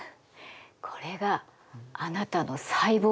これがあなたの細胞よ。